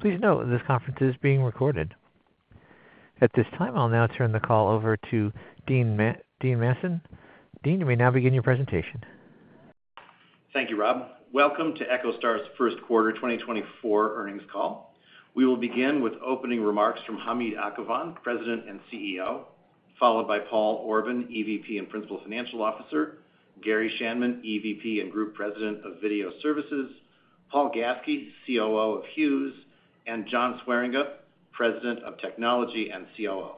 Please note that this conference is being recorded. At this time, I'll now turn the call over to Dean Manson. Dean, you may now begin your presentation. Thank you, Rob. Welcome to EchoStar's first quarter 2024 earnings call. We will begin with opening remarks from Hamid Akhavan, President and CEO, followed by Paul Orban, EVP and Principal Financial Officer, Gary Schanman, EVP and Group President of Video Services, Paul Gaske, COO of Hughes, and John Swieringa, President of Technology and COO.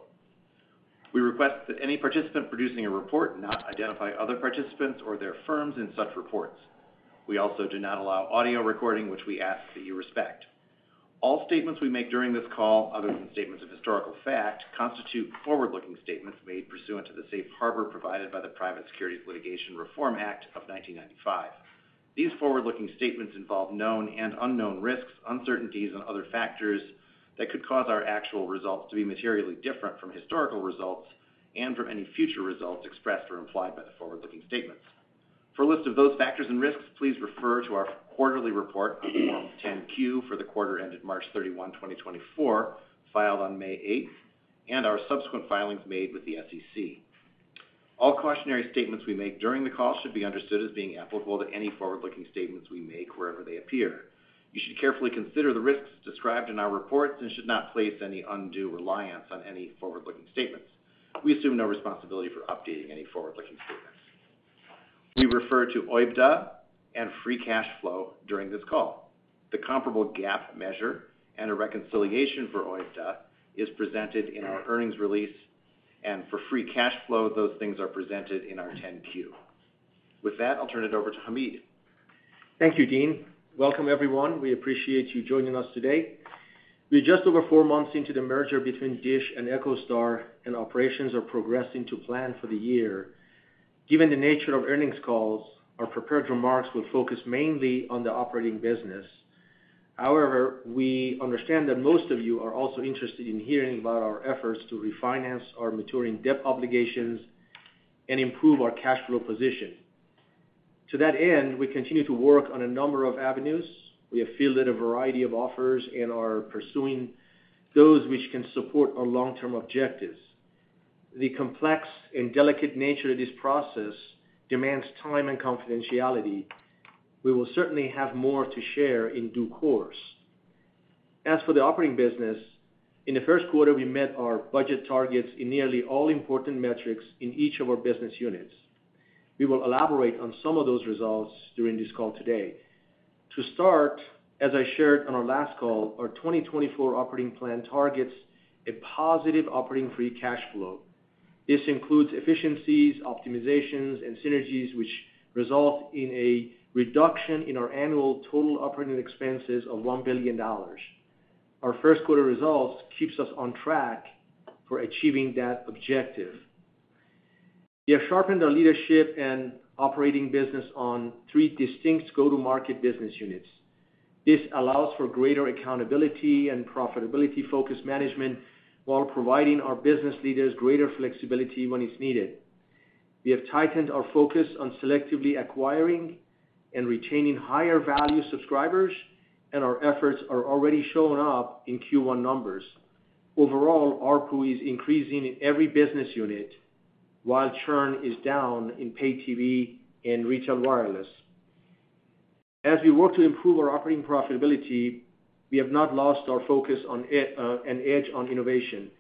We request that any participant producing a report not identify other participants or their firms in such reports. We also do not allow audio recording, which we ask that you respect. All statements we make during this call, other than statements of historical fact, constitute forward-looking statements made pursuant to the Safe Harbor provided by the Private Securities Litigation Reform Act of 1995. These forward-looking statements involve known and unknown risks, uncertainties, and other factors that could cause our actual results to be materially different from historical results and from any future results expressed or implied by the forward-looking statements. For a list of those factors and risks, please refer to our quarterly report on Form 10-Q for the quarter ended March 31, 2024, filed on May 8th, and our subsequent filings made with the SEC. All cautionary statements we make during the call should be understood as being applicable to any forward-looking statements we make wherever they appear. You should carefully consider the risks described in our reports and should not place any undue reliance on any forward-looking statements. We assume no responsibility for updating any forward-looking statements. We refer to OIBDA and free cash flow during this call. The comparable GAAP measure and a reconciliation for OIBDA is presented in our earnings release, and for free cash flow, those things are presented in our 10-Q. With that, I'll turn it over to Hamid. Thank you, Dean. Welcome, everyone. We appreciate you joining us today. We are just over four months into the merger between DISH and EchoStar, and operations are progressing to plan for the year. Given the nature of earnings calls, our prepared remarks will focus mainly on the operating business. However, we understand that most of you are also interested in hearing about our efforts to refinance our maturing debt obligations and improve our cash flow position. To that end, we continue to work on a number of avenues. We have fielded a variety of offers and are pursuing those which can support our long-term objectives. The complex and delicate nature of this process demands time and confidentiality. We will certainly have more to share in due course. As for the operating business, in the first quarter, we met our budget targets in nearly all important metrics in each of our business units. We will elaborate on some of those results during this call today. To start, as I shared on our last call, our 2024 operating plan targets a positive operating free cash flow. This includes efficiencies, optimizations, and synergies, which result in a reduction in our annual total operating expenses of $1 billion. Our first quarter results keep us on track for achieving that objective. We have sharpened our leadership and operating business on three distinct go-to-market business units. This allows for greater accountability and profitability-focused management while providing our business leaders greater flexibility when it's needed. We have tightened our focus on selectively acquiring and retaining higher-value subscribers, and our efforts are already showing up in Q1 numbers. Overall, our ARPU is increasing in every business unit while churn is down in pay TV and retail wireless. As we work to improve our operating profitability, we have not lost our focus on an edge on innovation.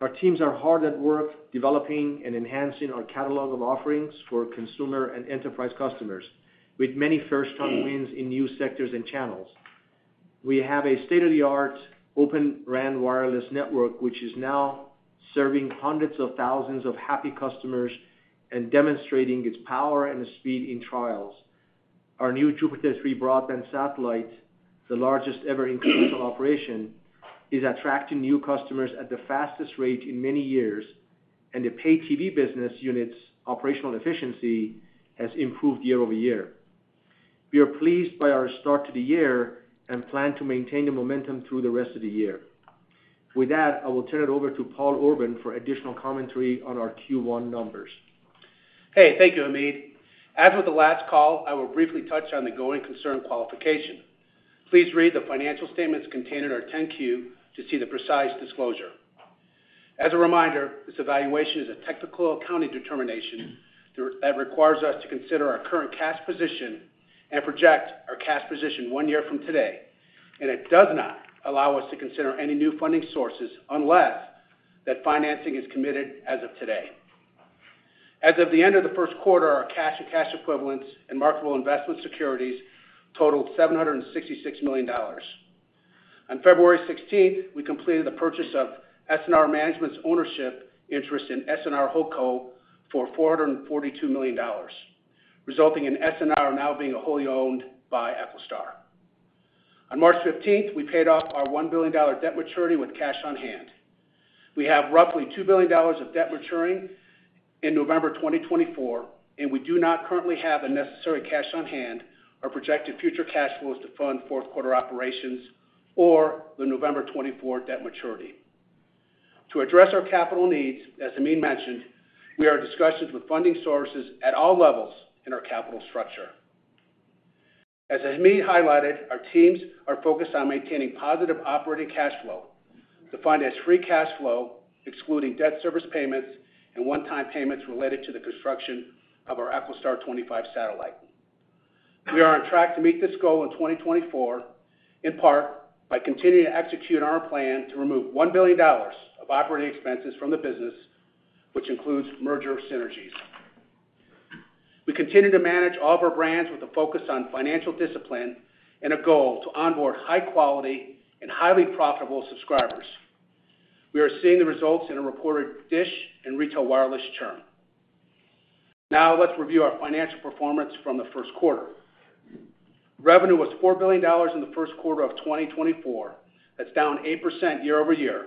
Our teams are hard at work developing and enhancing our catalog of offerings for consumer and enterprise customers, with many first-time wins in new sectors and channels. We have a state-of-the-art Open RAN wireless network, which is now serving hundreds of thousands of happy customers and demonstrating its power and speed in trials. Our new Jupiter 3 broadband satellite, the largest ever in commercial operation, is attracting new customers at the fastest rate in many years, and the pay TV business unit's operational efficiency has improved year-over-year. We are pleased by our start to the year and plan to maintain the momentum through the rest of the year. With that, I will turn it over to Paul Orban for additional commentary on our Q1 numbers. Hey, thank you, Hamid. As with the last call, I will briefly touch on the going concern qualification. Please read the financial statements contained in our 10-Q to see the precise disclosure. As a reminder, this evaluation is a technical accounting determination that requires us to consider our current cash position and project our cash position one year from today, and it does not allow us to consider any new funding sources unless that financing is committed as of today. As of the end of the first quarter, our cash and cash equivalents and marketable investment securities totaled $766 million. On February 16th, we completed the purchase of S&R Management's ownership interest in S&R Holdco for $442 million, resulting in S&R now being wholly owned by EchoStar. On March 15th, we paid off our $1 billion debt maturity with cash on hand. We have roughly $2 billion of debt maturing in November 2024, and we do not currently have the necessary cash on hand or projected future cash flows to fund fourth quarter operations or the November 2024 debt maturity. To address our capital needs, as Hamid mentioned, we are in discussions with funding sources at all levels in our capital structure. As Hamid highlighted, our teams are focused on maintaining positive operating cash flow to fund as free cash flow, excluding debt service payments and one-time payments related to the construction of our EchoStar 25 satellite. We are on track to meet this goal in 2024, in part by continuing to execute our plan to remove $1 billion of operating expenses from the business, which includes merger synergies. We continue to manage all of our brands with a focus on financial discipline and a goal to onboard high-quality and highly profitable subscribers. We are seeing the results in a reported DISH and retail wireless churn. Now, let's review our financial performance from the first quarter. Revenue was $4 billion in the first quarter of 2024. That's down 8% year-over-year,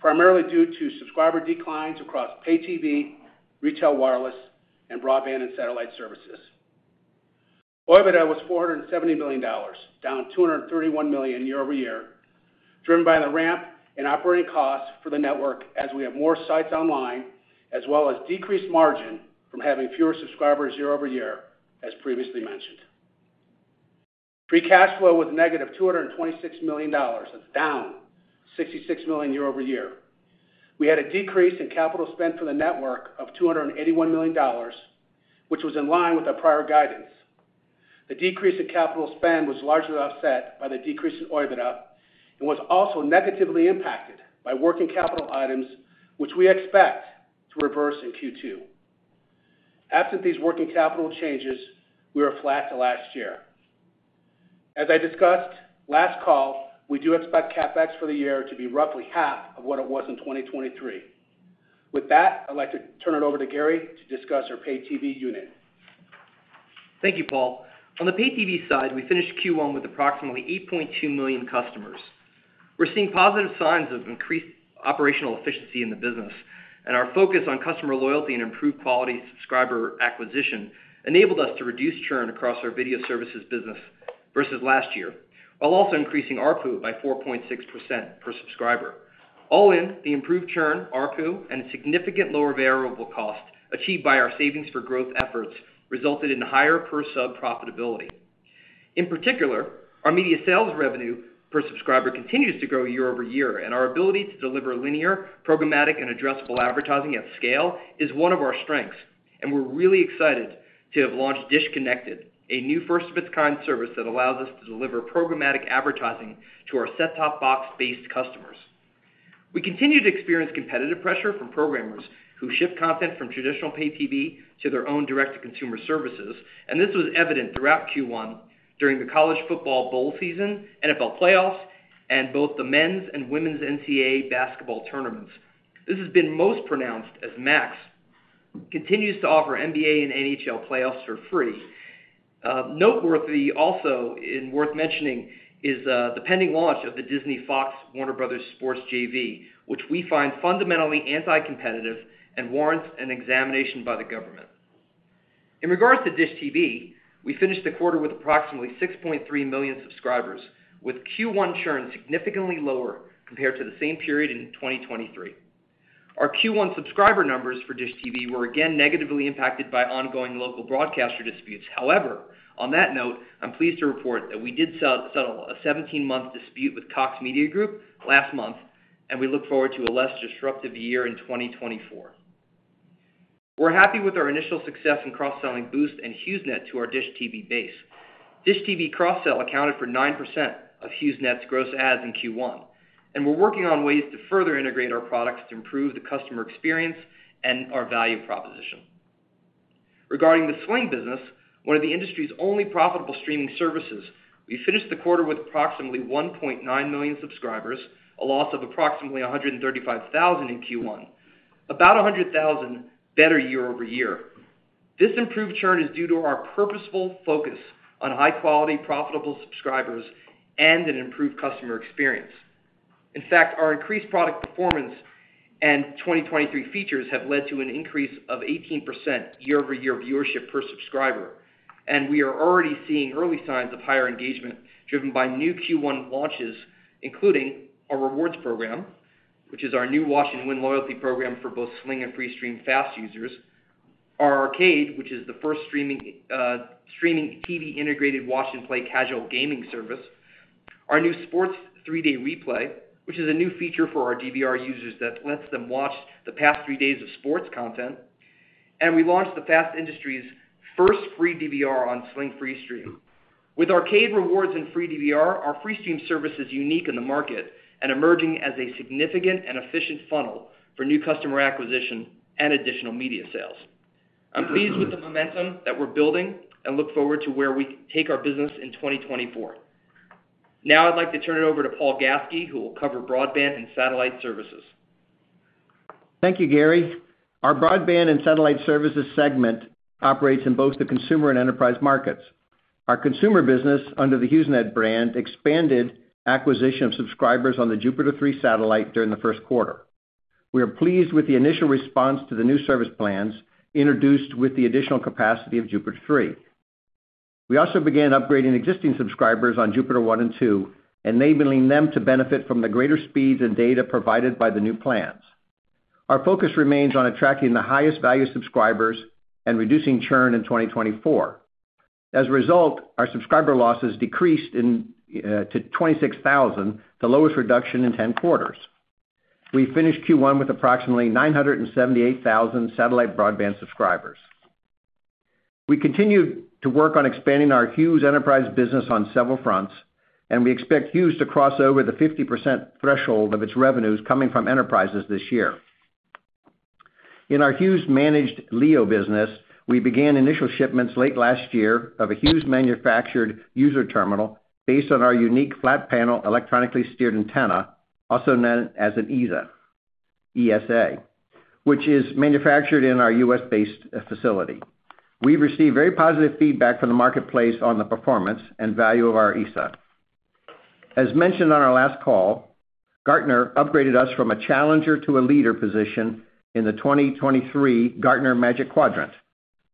primarily due to subscriber declines across pay TV, retail wireless, and broadband and satellite services. OIBDA was $470 million, down $231 million year-over-year, driven by the ramp in operating costs for the network as we have more sites online, as well as decreased margin from having fewer subscribers year-over-year, as previously mentioned. Free cash flow was negative $226 million. That's down $66 million year-over-year. We had a decrease in capital spend for the network of $281 million, which was in line with our prior guidance. The decrease in capital spend was largely offset by the decrease in OIBDA and was also negatively impacted by working capital items, which we expect to reverse in Q2. Absent these working capital changes, we are flat to last year. As I discussed last call, we do expect CapEx for the year to be roughly half of what it was in 2023. With that, I'd like to turn it over to Gary to discuss our pay TV unit. Thank you, Paul. On the pay TV side, we finished Q1 with approximately 8.2 million customers. We're seeing positive signs of increased operational efficiency in the business, and our focus on customer loyalty and improved quality subscriber acquisition enabled us to reduce churn across our video services business versus last year, while also increasing ARPU by 4.6% per subscriber. All in, the improved churn, ARPU, and significant lower variable cost achieved by our savings for growth efforts resulted in higher per sub profitability. In particular, our media sales revenue per subscriber continues to grow year-over-year, and our ability to deliver linear, programmatic, and addressable advertising at scale is one of our strengths. We're really excited to have launched DISH Connected, a new first-of-its-kind service that allows us to deliver programmatic advertising to our set-top-box-based customers. We continue to experience competitive pressure from programmers who shift content from traditional pay TV to their own direct-to-consumer services, and this was evident throughout Q1 during the college football bowl season and NFL playoffs and both the men's and women's NCAA basketball tournaments. This has been most pronounced as Max continues to offer NBA and NHL playoffs for free. Noteworthy also and worth mentioning is the pending launch of the Disney-Fox Warner Bros. Sports JV, which we find fundamentally anti-competitive and warrants an examination by the government. In regards to DISH TV, we finished the quarter with approximately 6.3 million subscribers, with Q1 churn significantly lower compared to the same period in 2023. Our Q1 subscriber numbers for DISH TV were again negatively impacted by ongoing local broadcaster disputes. However, on that note, I'm pleased to report that we did settle a 17-month dispute with Cox Media Group last month, and we look forward to a less disruptive year in 2024. We're happy with our initial success in cross-selling Boost and HughesNet to our DISH TV base. DISH TV cross-sell accounted for 9% of HughesNet's gross adds in Q1, and we're working on ways to further integrate our products to improve the customer experience and our value proposition. Regarding the Sling business, one of the industry's only profitable streaming services, we finished the quarter with approximately 1.9 million subscribers, a loss of approximately 135,000 in Q1, about 100,000 better year-over-year. This improved churn is due to our purposeful focus on high-quality, profitable subscribers and an improved customer experience. In fact, our increased product performance and 2023 features have led to an increase of 18% year-over-year viewership per subscriber, and we are already seeing early signs of higher engagement driven by new Q1 launches, including our Rewards program, which is our new watch-and-win loyalty program for both Sling and Freestream FAST users, our Arcade, which is the first streaming TV-integrated watch-and-play casual gaming service, our new Sports 3D Replay, which is a new feature for our DVR users that lets them watch the past three days of sports content, and we launched the FAST industry's first free DVR on Sling Freestream. With Arcade, Rewards and free DVR, our Freestream service is unique in the market and emerging as a significant and efficient funnel for new customer acquisition and additional media sales. I'm pleased with the momentum that we're building and look forward to where we take our business in 2024. Now, I'd like to turn it over to Paul Gaske, who will cover broadband and satellite services. Thank you, Gary. Our broadband and satellite services segment operates in both the consumer and enterprise markets. Our consumer business under the HughesNet brand expanded acquisition of subscribers on the Jupiter 3 satellite during the first quarter. We are pleased with the initial response to the new service plans introduced with the additional capacity of Jupiter 3. We also began upgrading existing subscribers on Jupiter 1 and 2, enabling them to benefit from the greater speeds and data provided by the new plans. Our focus remains on attracting the highest-value subscribers and reducing churn in 2024. As a result, our subscriber losses decreased to 26,000, the lowest reduction in 10 quarters. We finished Q1 with approximately 978,000 satellite broadband subscribers. We continue to work on expanding our Hughes enterprise business on several fronts, and we expect Hughes to cross over the 50% threshold of its revenues coming from enterprises this year. In our Hughes-managed LEO business, we began initial shipments late last year of a Hughes-manufactured user terminal based on our unique flat-panel, electronically steered antenna, also known as an ESA, which is manufactured in our U.S.-based facility. We've received very positive feedback from the marketplace on the performance and value of our ESA. As mentioned on our last call, Gartner upgraded us from a challenger to a leader position in the 2023 Gartner Magic Quadrant.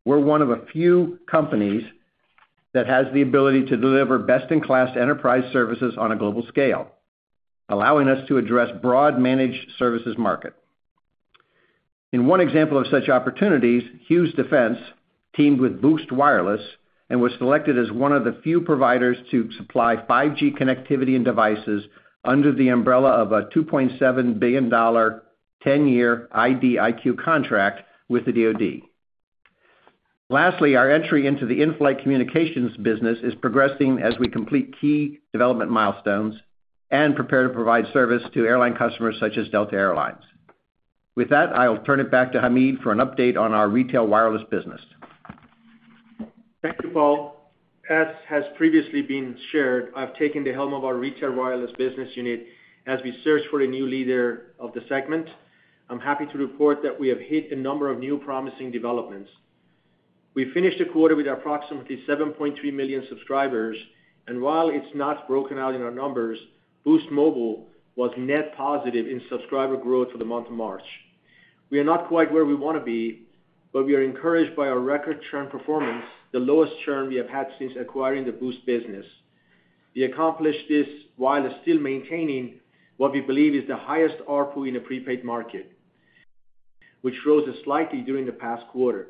We're one of a few companies that has the ability to deliver best-in-class enterprise services on a global scale, allowing us to address broad managed services market. In one example of such opportunities, Hughes Defense teamed with Boost Wireless and was selected as one of the few providers to supply 5G connectivity and devices under the umbrella of a $2.7 billion 10-year IDIQ contract with the DoD. Lastly, our entry into the in-flight communications business is progressing as we complete key development milestones and prepare to provide service to airline customers such as Delta Air Lines. With that, I'll turn it back to Hamid for an update on our retail wireless business. Thank you, Paul. As has previously been shared, I've taken the helm of our retail wireless business unit as we search for a new leader of the segment. I'm happy to report that we have hit a number of new promising developments. We finished the quarter with approximately 7.3 million subscribers, and while it's not broken out in our numbers, Boost Mobile was net positive in subscriber growth for the month of March. We are not quite where we want to be, but we are encouraged by our record churn performance, the lowest churn we have had since acquiring the Boost business. We accomplished this while still maintaining what we believe is the highest RPU in a prepaid market, which rose slightly during the past quarter.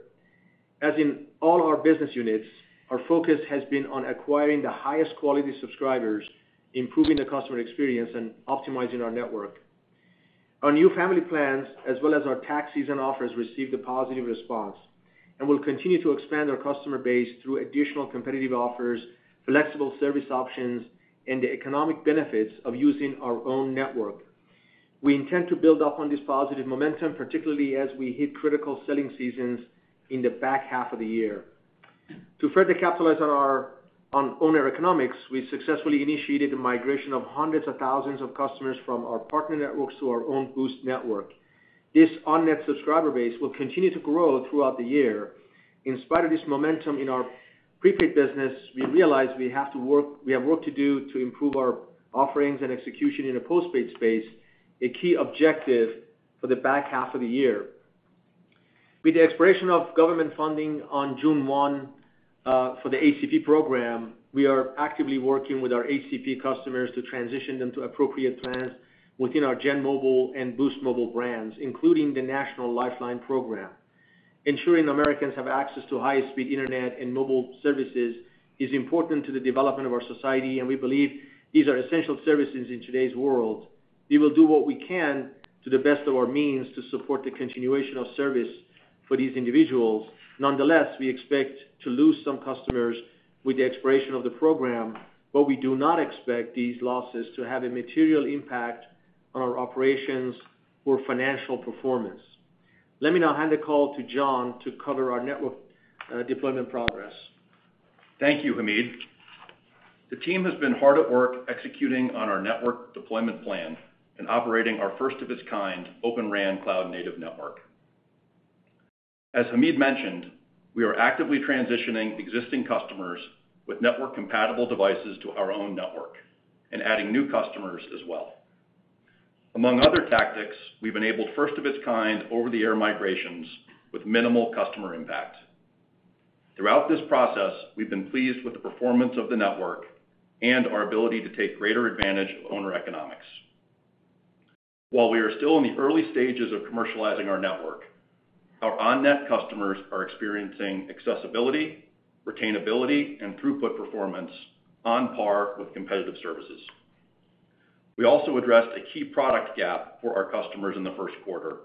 As in all our business units, our focus has been on acquiring the highest quality subscribers, improving the customer experience, and optimizing our network. Our new family plans, as well as our tax season offers, received a positive response and will continue to expand our customer base through additional competitive offers, flexible service options, and the economic benefits of using our own network. We intend to build upon this positive momentum, particularly as we hit critical selling seasons in the back half of the year. To further capitalize on our own economics, we successfully initiated a migration of hundreds of thousands of customers from our partner networks to our own Boost network. This on-net subscriber base will continue to grow throughout the year. In spite of this momentum in our prepaid business, we realize we have work to do to improve our offerings and execution in a postpaid space, a key objective for the back half of the year. With the expiration of government funding on June 1 for the ACP program, we are actively working with our ACP customers to transition them to appropriate plans within our Gen Mobile and Boost Mobile brands, including the National Lifeline Program. Ensuring Americans have access to high-speed internet and mobile services is important to the development of our society, and we believe these are essential services in today's world. We will do what we can to the best of our means to support the continuation of service for these individuals. Nonetheless, we expect to lose some customers with the expiration of the program, but we do not expect these losses to have a material impact on our operations or financial performance. Let me now hand the call to John to cover our network deployment progress. Thank you, Hamid. The team has been hard at work executing on our network deployment plan and operating our first-of-its-kind Open RAN cloud-native network. As Hamid mentioned, we are actively transitioning existing customers with network-compatible devices to our own network and adding new customers as well. Among other tactics, we've enabled first-of-its-kind over-the-air migrations with minimal customer impact. Throughout this process, we've been pleased with the performance of the network and our ability to take greater advantage of owner economics. While we are still in the early stages of commercializing our network, our on-net customers are experiencing accessibility, retainability, and throughput performance on par with competitive services. We also addressed a key product gap for our customers in the first quarter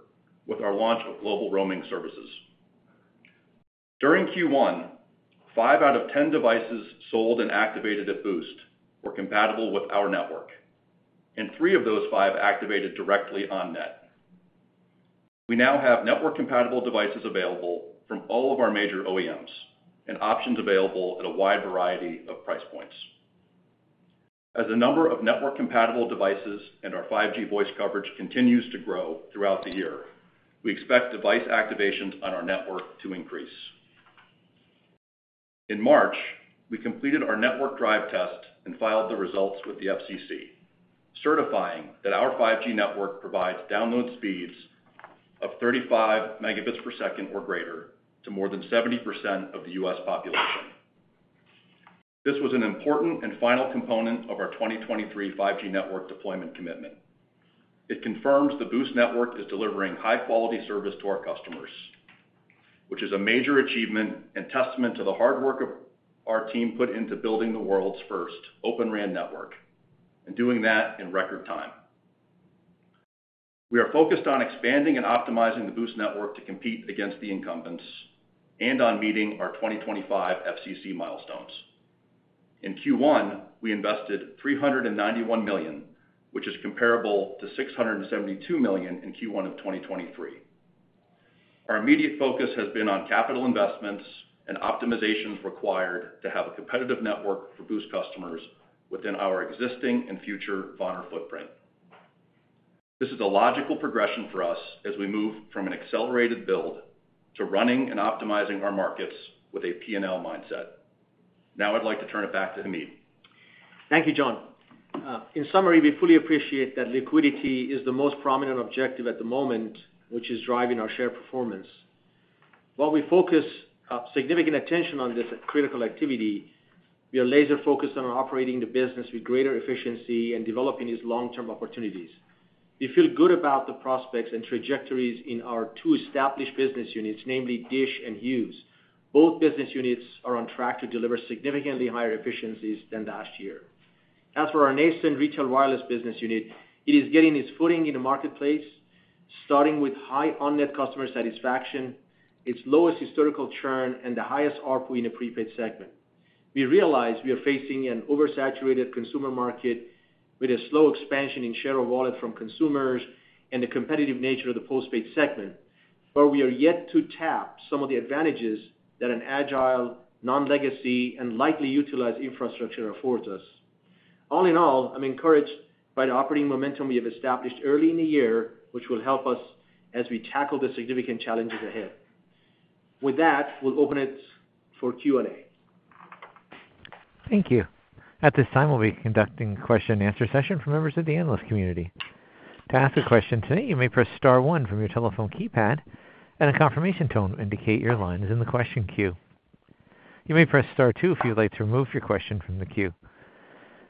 with our launch of global roaming services. During Q1, five out of 10 devices sold and activated at Boost were compatible with our network, and three of those five activated directly on net. We now have network-compatible devices available from all of our major OEMs and options available at a wide variety of price points. As the number of network-compatible devices and our 5G voice coverage continues to grow throughout the year, we expect device activations on our network to increase. In March, we completed our network Drive Test and filed the results with the FCC, certifying that our 5G network provides download speeds of 35 Mbps or greater to more than 70% of the U.S. population. This was an important and final component of our 2023 5G network deployment commitment. It confirms the Boost network is delivering high-quality service to our customers, which is a major achievement and testament to the hard work of our team put into building the world's first Open RAN network and doing that in record time. We are focused on expanding and optimizing the Boost network to compete against the incumbents and on meeting our 2025 FCC milestones. In Q1, we invested $391 million, which is comparable to $672 million in Q1 of 2023. Our immediate focus has been on capital investments and optimizations required to have a competitive network for Boost customers within our existing and future VoNR footprint. This is a logical progression for us as we move from an accelerated build to running and optimizing our markets with a P&L mindset. Now, I'd like to turn it back to Hamid. Thank you, John. In summary, we fully appreciate that liquidity is the most prominent objective at the moment, which is driving our share performance. While we focus significant attention on this critical activity, we are laser-focused on operating the business with greater efficiency and developing its long-term opportunities. We feel good about the prospects and trajectories in our two established business units, namely DISH and Hughes. Both business units are on track to deliver significantly higher efficiencies than last year. As for our nascent retail wireless business unit, it is getting its footing in the marketplace, starting with high on-net customer satisfaction, its lowest historical churn, and the highest RPU in a prepaid segment. We realize we are facing an oversaturated consumer market with a slow expansion in share of wallet from consumers and the competitive nature of the postpaid segment, but we are yet to tap some of the advantages that an agile, non-legacy, and lightly utilized infrastructure affords us. All in all, I'm encouraged by the operating momentum we have established early in the year, which will help us as we tackle the significant challenges ahead. With that, we'll open it for Q&A. Thank you. At this time, we'll be conducting a question-and-answer session for members of the Analyst Community. To ask a question today, you may press star one from your telephone keypad and a confirmation tone indicates your line is in the question queue. You may press star two if you would like to remove your question from the queue.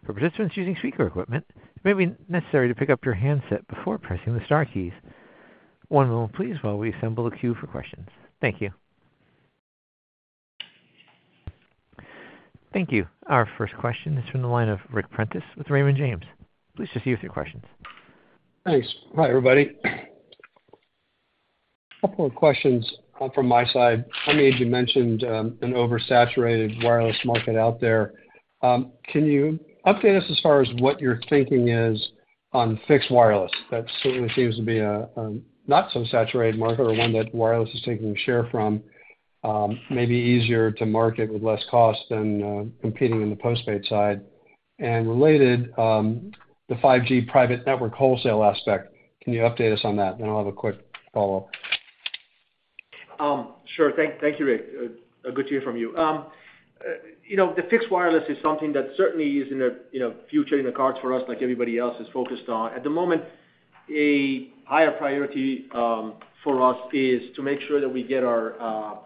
For participants using speaker equipment, it may be necessary to pick up your handset before pressing the star keys. One moment, please, while we assemble the queue for questions. Thank you. Thank you. Our first question is from the line of Rick Prentiss with Raymond James. Please proceed with your questions. Thanks. Hi, everybody. A couple of questions from my side. Hamid, you mentioned an oversaturated wireless market out there. Can you update us as far as what your thinking is on fixed wireless? That certainly seems to be a not-so-saturated market or one that wireless is taking share from. Maybe easier to market with less cost than competing in the postpaid side. And related, the 5G private network wholesale aspect, can you update us on that? Then I'll have a quick follow-up. Sure. Thank you, Rick. Good to hear from you. The fixed wireless is something that certainly is in the future in the cards for us, like everybody else is focused on. At the moment, a higher priority for us is to make sure that we get our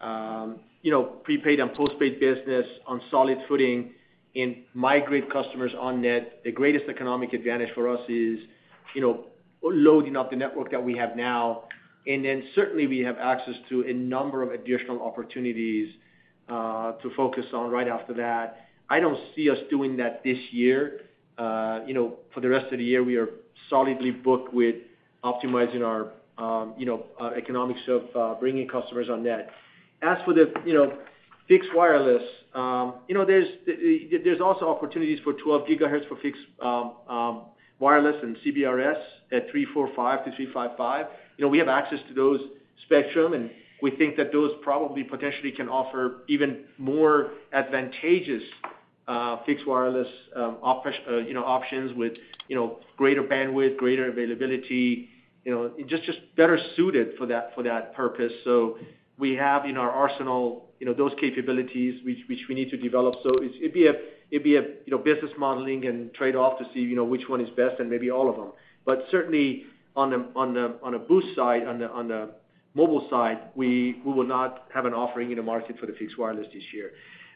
prepaid and postpaid business on solid footing and migrate customers on net. The greatest economic advantage for us is loading up the network that we have now. And then certainly, we have access to a number of additional opportunities to focus on right after that. I don't see us doing that this year. For the rest of the year, we are solidly booked with optimizing our economics of bringing customers on net. As for the fixed wireless, there's also opportunities for 12 gigahertz for fixed wireless and CBRS at 345-355. We have access to those spectrum, and we think that those probably potentially can offer even more advantageous fixed wireless options with greater bandwidth, greater availability, just better suited for that purpose. So we have in our arsenal those capabilities, which we need to develop. So it'd be a business modeling and trade-off to see which one is best and maybe all of them. But certainly, on a Boost side, on the mobile side, we will not have an offering in the market for the fixed wireless this year.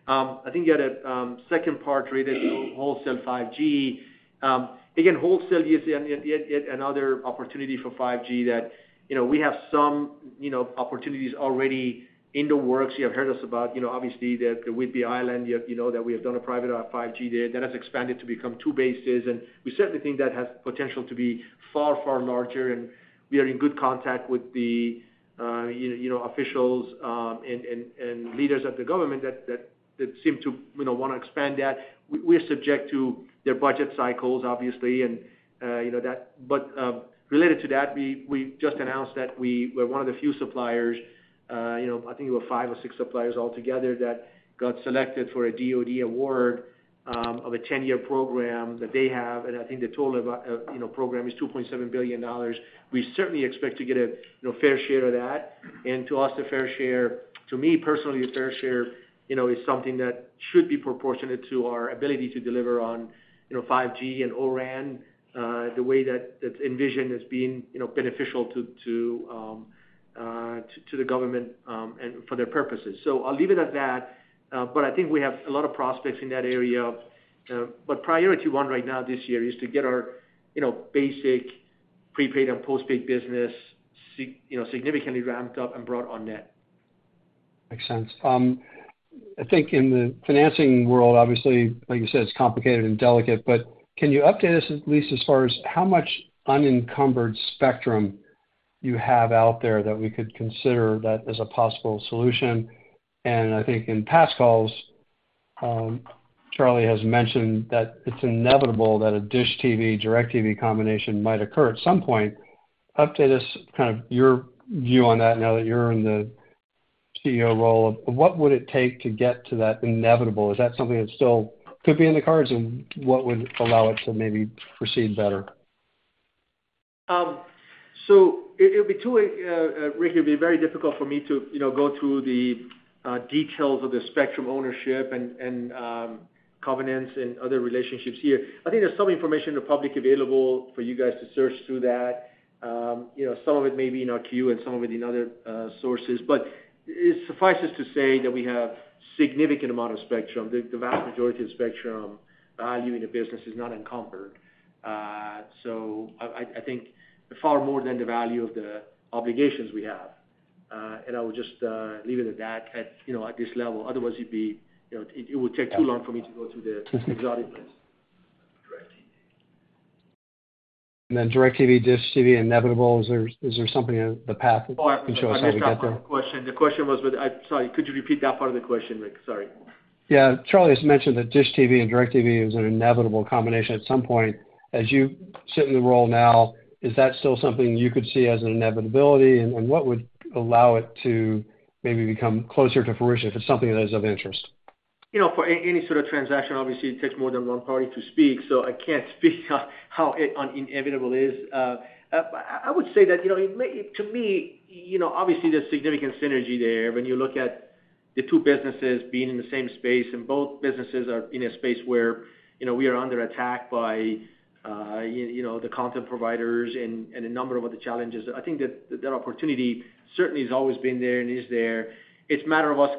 I think you had a second part related to wholesale 5G. Again, wholesale is yet another opportunity for 5G that we have some opportunities already in the works. You have heard us about, obviously, the Whidbey Island that we have done a private 5G there that has expanded to become two bases. We certainly think that has potential to be far, far larger. We are in good contact with the officials and leaders at the government that seem to want to expand that. We are subject to their budget cycles, obviously, and that. But related to that, we just announced that we were one of the few suppliers (I think it was 5 or 6 suppliers altogether) that got selected for a DoD award of a 10-year program that they have. I think the total program is $2.7 billion. We certainly expect to get a fair share of that. To us, a fair share (to me personally, a fair share) is something that should be proportionate to our ability to deliver on 5G and O-RAN the way that's envisioned as being beneficial to the government and for their purposes. So I'll leave it at that. But I think we have a lot of prospects in that area. But priority one right now this year is to get our basic prepaid and postpaid business significantly ramped up and brought on net. Makes sense. I think in the financing world, obviously, like you said, it's complicated and delicate. But can you update us at least as far as how much unencumbered spectrum you have out there that we could consider that as a possible solution? And I think in past calls, Charlie has mentioned that it's inevitable that a DISH TV/DIRECTV combination might occur at some point. Update us kind of your view on that now that you're in the CEO role of what would it take to get to that inevitable? Is that something that still could be in the cards, and what would allow it to maybe proceed better? So it'll be too, Rick, it'll be very difficult for me to go through the details of the spectrum ownership and covenants and other relationships here. I think there's some information in the publicly available for you guys to search through that. Some of it may be in our 10-Q and some of it in other sources. But it suffices to say that we have a significant amount of spectrum. The vast majority of spectrum value in the business is not encompassed. So I think far more than the value of the obligations we have. And I will just leave it at that at this level. Otherwise, it would take too long for me to go through the exotic list. And then DIRECTV/DISH TV, inevitable. Is there something in the path? Oh, I have one question. The question was with, sorry. Could you repeat that part of the question, Rick? Sorry. Yeah. Charlie has mentioned that DISH TV and DIRECTV is an inevitable combination at some point. As you sit in the role now, is that still something you could see as an inevitability? And what would allow it to maybe become closer to fruition if it's something that is of interest? For any sort of transaction, obviously, it takes more than one party to speak. So I can't speak how inevitable it is. But I would say that to me, obviously, there's significant synergy there when you look at the two businesses being in the same space. And both businesses are in a space where we are under attack by the content providers and a number of other challenges. I think that that opportunity certainly has always been there and is there. It's a matter of us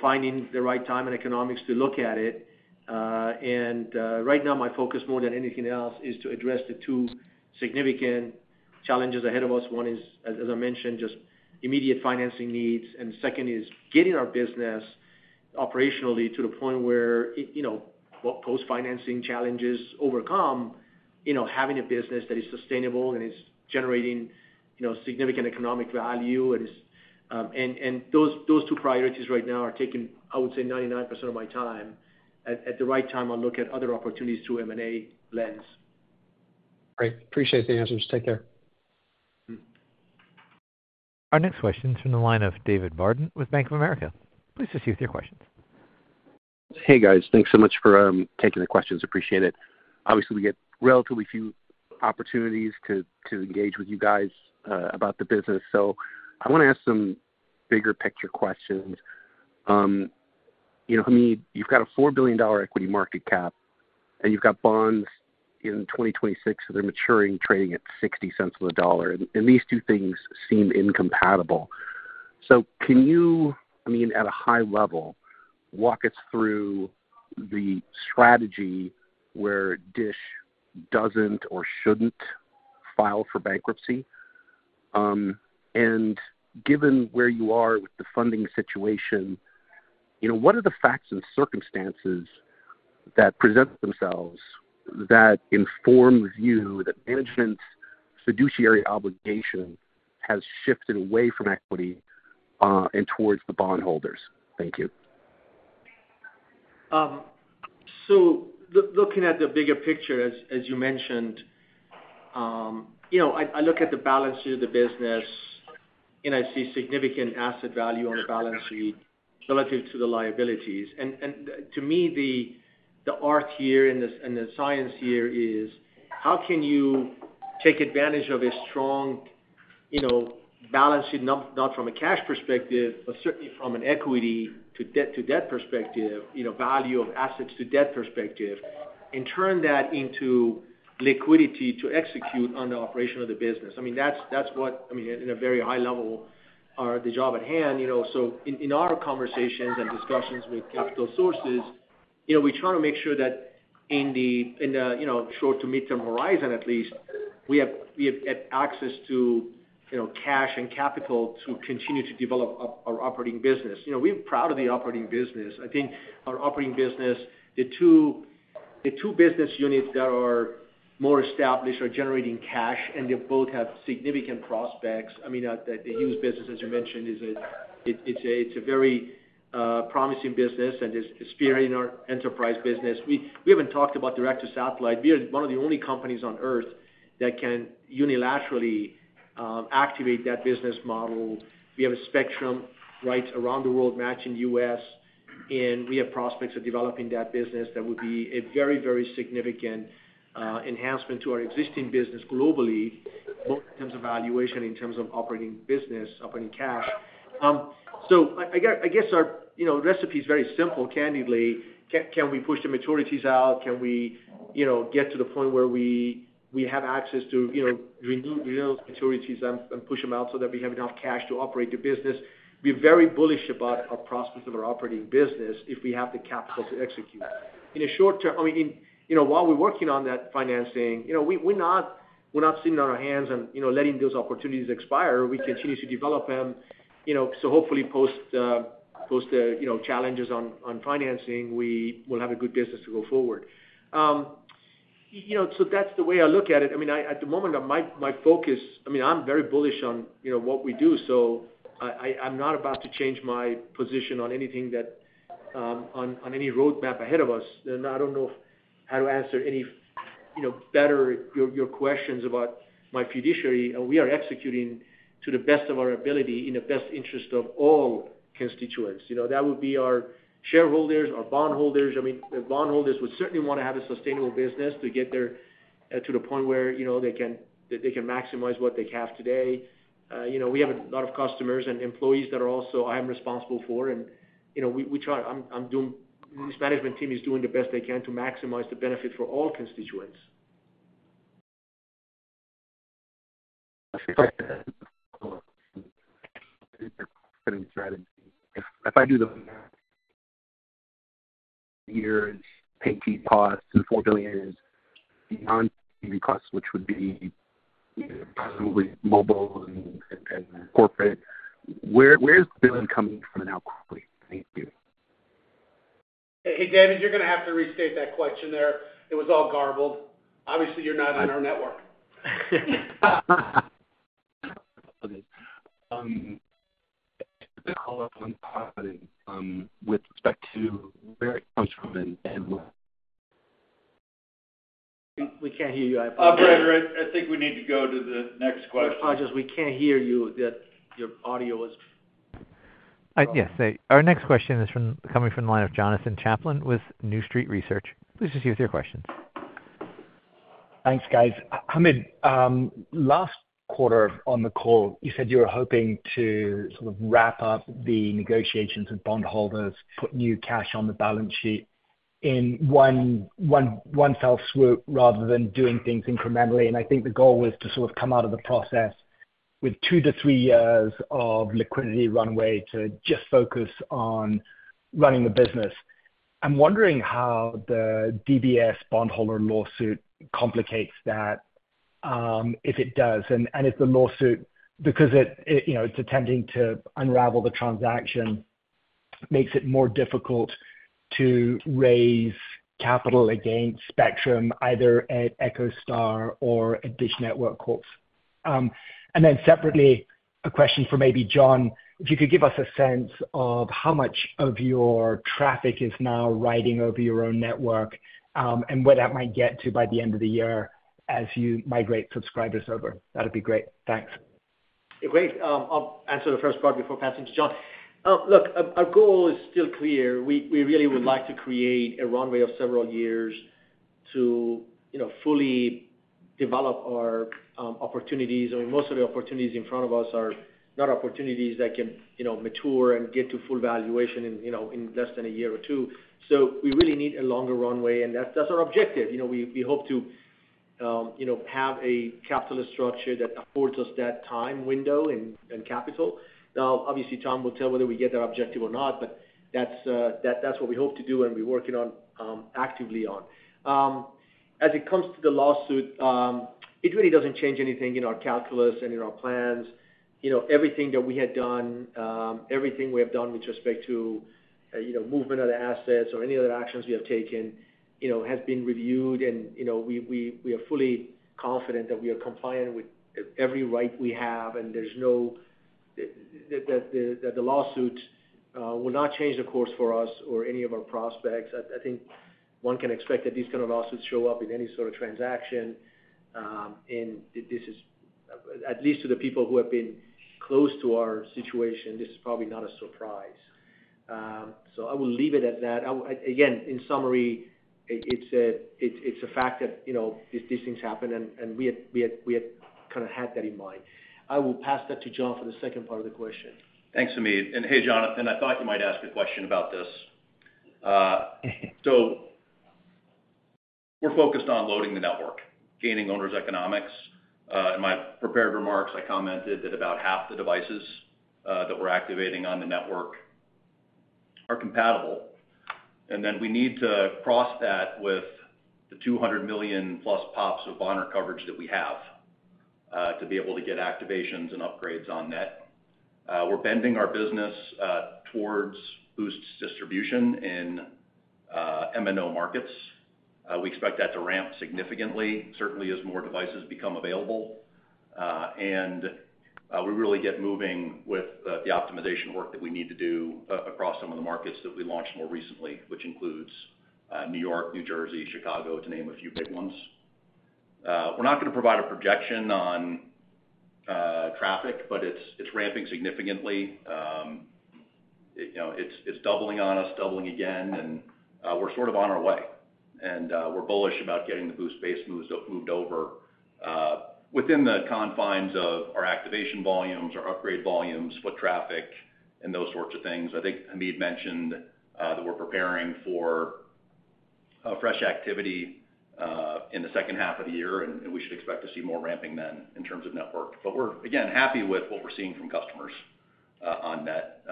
finding the right time and economics to look at it. And right now, my focus more than anything else is to address the two significant challenges ahead of us. One is, as I mentioned, just immediate financing needs. The second is getting our business operationally to the point where what post-financing challenges overcome, having a business that is sustainable and is generating significant economic value. Those two priorities right now are taking, I would say, 99% of my time. At the right time, I'll look at other opportunities through M&A lens. Great. Appreciate the answers. Take care. Our next question is from the line of David Barden with Bank of America. Please proceed with your questions. Hey, guys. Thanks so much for taking the questions. Appreciate it. Obviously, we get relatively few opportunities to engage with you guys about the business. So I want to ask some bigger-picture questions. Hamid, you've got a $4 billion equity market cap, and you've got bonds in 2026 that are maturing, trading at $0.60. And these two things seem incompatible. So can you, I mean, at a high level, walk us through the strategy where DISH doesn't or shouldn't file for bankruptcy? And given where you are with the funding situation, what are the facts and circumstances that present themselves that inform the view that management's fiduciary obligation has shifted away from equity and towards the bondholders? Thank you. So looking at the bigger picture, as you mentioned, I look at the balance sheet of the business, and I see significant asset value on the balance sheet relative to the liabilities. And to me, the art here and the science here is how can you take advantage of a strong balance sheet, not from a cash perspective, but certainly from an equity-to-debt perspective, value of assets-to-debt perspective, and turn that into liquidity to execute on the operation of the business? I mean, that's what—I mean, in a very high level—are the job at hand. So in our conversations and discussions with capital sources, we try to make sure that in the short to midterm horizon, at least, we have access to cash and capital to continue to develop our operating business. We're proud of the operating business. I think our operating business, the two business units that are more established are generating cash, and they both have significant prospects. I mean, the Hughes business, as you mentioned, is a very promising business and is spearheading our enterprise business. We haven't talked about direct satellite. We are one of the only companies on Earth that can unilaterally activate that business model. We have a spectrum right around the world matching the U.S. And we have prospects of developing that business that would be a very, very significant enhancement to our existing business globally, both in terms of valuation and in terms of operating business, operating cash. So I guess our recipe is very simple, candidly. Can we push the maturities out? Can we get to the point where we have access to renew those maturities and push them out so that we have enough cash to operate the business? We're very bullish about our prospects of our operating business if we have the capital to execute. In the short term, I mean, while we're working on that financing, we're not sitting on our hands and letting those opportunities expire. We continue to develop them. So hopefully, post the challenges on financing, we'll have a good business to go forward. So that's the way I look at it. I mean, at the moment, my focus, I mean, I'm very bullish on what we do. So I'm not about to change my position on anything that on any roadmap ahead of us. And I don't know how to answer any better your questions about my fiduciary. We are executing to the best of our ability in the best interest of all constituents. That would be our shareholders, our bondholders. I mean, the bondholders would certainly want to have a sustainable business to get there to the point where they can maximize what they have today. We have a lot of customers and employees that I am responsible for. And we try. This management team is doing the best they can to maximize the benefit for all constituents. If I do the years, pay fee costs, and $4 billion is beyond the costs, which would be possibly mobile and corporate, where is the billing coming from and how quickly? Thank you. Hey, David, you're going to have to restate that question there. It was all garbled. Obviously, you're not on our network. Okay. Just a call-up on Patton with respect to where it comes from and what. We can't hear you. I apologize. Oh, Brad, I think we need to go to the next question. I apologize. We can't hear you. Your audio was. Yes. Our next question is coming from the line of Jonathan Chaplin with New Street Research. Please proceed with your questions. Thanks, guys. Hamid, last quarter on the call, you said you were hoping to sort of wrap up the negotiations with bondholders. Put new cash on the balance sheet in one fell swoop rather than doing things incrementally. And I think the goal was to sort of come out of the process with two to three years of liquidity runway to just focus on running the business. I'm wondering how the DBS bondholder lawsuit complicates that if it does. And if the lawsuit, because it's attempting to unravel the transaction, makes it more difficult to raise capital against spectrum, either at EchoStar or at DISH Network Corp. And then separately, a question for maybe John. If you could give us a sense of how much of your traffic is now riding over your own network and where that might get to by the end of the year as you migrate subscribers over, that would be great. Thanks. Great. I'll answer the first part before passing to John. Look, our goal is still clear. We really would like to create a runway of several years to fully develop our opportunities. I mean, most of the opportunities in front of us are not opportunities that can mature and get to full valuation in less than a year or two. So we really need a longer runway, and that's our objective. We hope to have a capital structure that affords us that time window and capital. Now, obviously, Tom will tell whether we get that objective or not, but that's what we hope to do and we're working actively on. As it comes to the lawsuit, it really doesn't change anything in our calculus and in our plans. Everything that we had done, everything we have done with respect to movement of the assets or any other actions we have taken has been reviewed. We are fully confident that we are compliant with every right we have, and there's no that the lawsuit will not change the course for us or any of our prospects. I think one can expect that these kind of lawsuits show up in any sort of transaction. This is at least to the people who have been close to our situation. This is probably not a surprise. So I will leave it at that. Again, in summary, it's a fact that these things happen, and we had kind of had that in mind. I will pass that to John for the second part of the question. Thanks, Hamid. And hey, Jonathan, I thought you might ask a question about this. So we're focused on loading the network, gaining owners' economics. In my prepared remarks, I commented that about half the devices that we're activating on the network are compatible. And then we need to cross that with the 200 million-plus POPs of Boost coverage that we have to be able to get activations and upgrades on net. We're bending our business towards Boost distribution in MNO markets. We expect that to ramp significantly, certainly as more devices become available. And we really get moving with the optimization work that we need to do across some of the markets that we launched more recently, which includes New York, New Jersey, Chicago, to name a few big ones. We're not going to provide a projection on traffic, but it's ramping significantly. It's doubling on us, doubling again. We're sort of on our way. We're bullish about getting the Boost base moved over within the confines of our activation volumes, our upgrade volumes, foot traffic, and those sorts of things. I think Hamid mentioned that we're preparing for fresh activity in the second half of the year, and we should expect to see more ramping then in terms of network. We're, again, happy with what we're seeing from customers on net.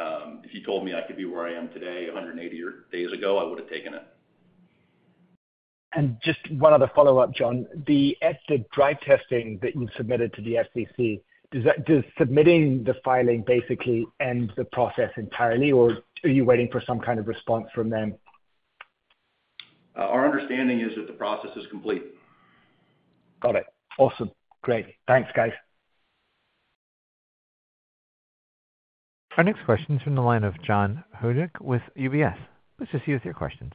If you told me I could be where I am today 180 days ago, I would have taken it. Just one other follow-up, John. At the drive testing that you've submitted to the FCC, does submitting the filing basically end the process entirely, or are you waiting for some kind of response from them? Our understanding is that the process is complete. Got it. Awesome. Great. Thanks, guys. Our next question is from the line of John Hodulik with UBS. Please proceed with your questions.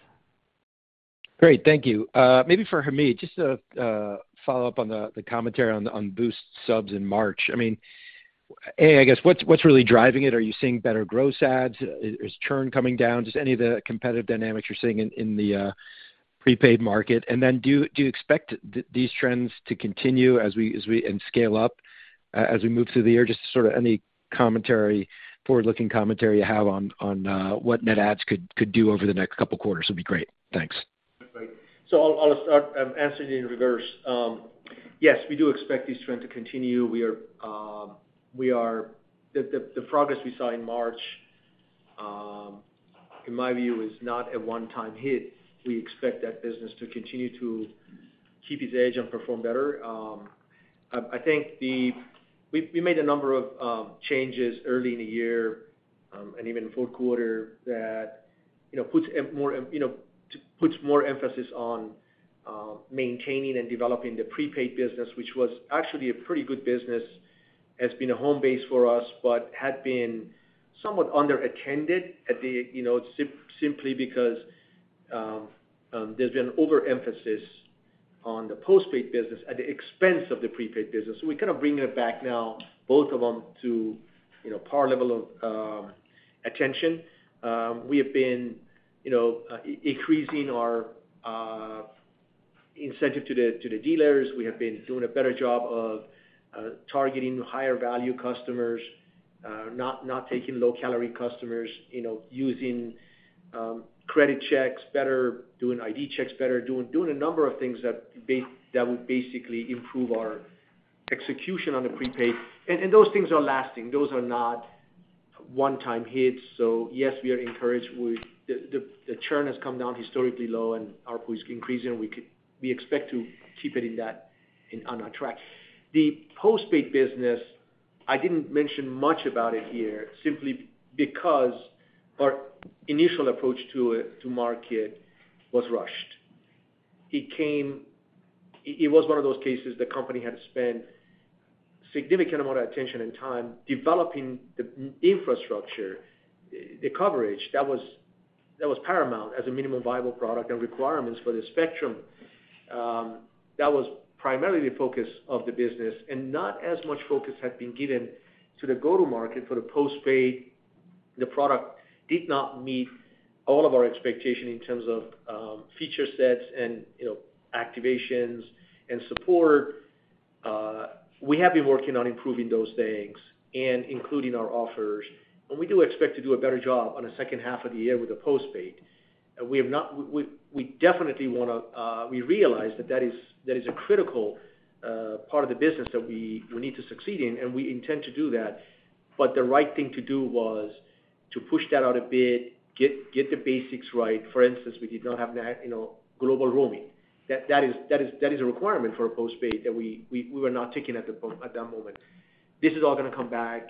Great. Thank you. Maybe for Hamid, just a follow-up on the commentary on Boost subs in March. I mean, a, I guess, what's really driving it? Are you seeing better growth adds? Is churn coming down? Just any of the competitive dynamics you're seeing in the prepaid market. And then do you expect these trends to continue and scale up as we move through the year? Just sort of any forward-looking commentary you have on what net adds could do over the next couple of quarters would be great. Thanks. Great. So I'll start answering in reverse. Yes, we do expect these trends to continue. The progress we saw in March, in my view, is not a one-time hit. We expect that business to continue to keep its edge and perform better. I think we made a number of changes early in the year and even fourth quarter that puts more emphasis on maintaining and developing the prepaid business, which was actually a pretty good business, has been a home base for us, but had been somewhat underattended simply because there's been overemphasis on the postpaid business at the expense of the prepaid business. So we're kind of bringing it back now, both of them, to par level of attention. We have been increasing our incentive to the dealers. We have been doing a better job of targeting higher-value customers, not taking low-calorie customers, using credit checks, doing ID checks better, doing a number of things that would basically improve our execution on the prepaid. Those things are lasting. Those are not one-time hits. So yes, we are encouraged. The churn has come down historically low, and our pool is increasing. We expect to keep it on our track. The postpaid business, I didn't mention much about it here simply because our initial approach to market was rushed. It was one of those cases the company had to spend a significant amount of attention and time developing the infrastructure, the coverage. That was paramount as a minimum viable product and requirements for the spectrum. That was primarily the focus of the business. And not as much focus had been given to the go-to-market for the postpaid. The product did not meet all of our expectations in terms of feature sets and activations and support. We have been working on improving those things and including our offers. We do expect to do a better job on the second half of the year with the postpaid. We definitely want we realize that that is a critical part of the business that we need to succeed in, and we intend to do that. But the right thing to do was to push that out a bit, get the basics right. For instance, we did not have global roaming. That is a requirement for a postpaid that we were not taking at that moment. This is all going to come back.